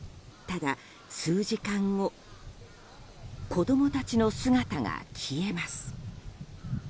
ただ、数時間後子供たちの姿が消えます。